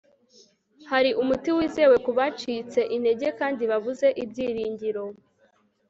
Hari umuti wizewe ku bacitse integer kandi babuze ibyiringiro